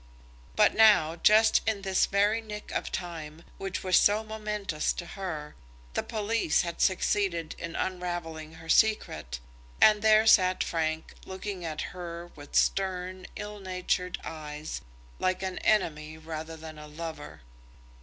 But now, just in this very nick of time, which was so momentous to her, the police had succeeded in unravelling her secret, and there sat Frank, looking at her with stern, ill natured eyes, like an enemy rather than a lover.